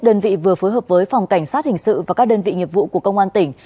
đơn vị vừa phối hợp với phòng cảnh sát hình sự và các đơn vị nghiệp vụ của công an tỉnh